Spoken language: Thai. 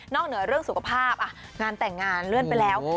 เหนือเรื่องสุขภาพงานแต่งงานเลื่อนไปแล้ว